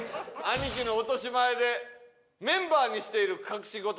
兄貴の落とし前でメンバーにしている隠し事です。